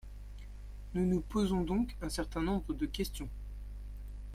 Nous nous posons donc un certain nombre de questions.